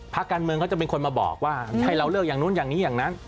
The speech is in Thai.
พักการเมืองเขาจะเป็นคนมาบอกว่าให้เราเลือกอย่างนู้นอย่างนี้อย่างนั้น